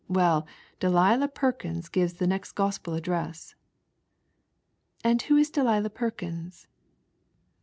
Well, Delia Perkins gives the next gospel " A^d who Is Delia Perkins